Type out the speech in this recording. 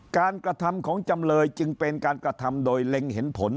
กระทำของจำเลยจึงเป็นการกระทำโดยเล็งเห็นผล